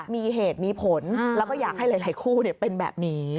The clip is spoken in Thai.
มีเหตุมีผลแล้วก็อยากให้หลายคู่เป็นแบบนี้